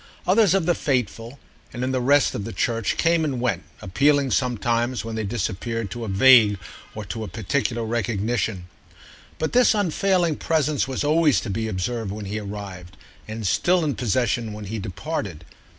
Others of the faithful, and in the rest of the church, came and went, appealing sometimes, when they disappeared, to a vague or to a particular recognition; but this unfailing presence was always to be observed when he arrived and still in possession when he departed.